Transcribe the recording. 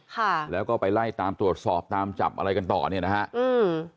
ค่ะแล้วก็ไปไล่ตามตรวจสอบตามจับอะไรกันต่อเนี่ยนะฮะอืม